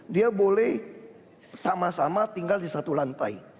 dia boleh sama sama tinggal di satu lantai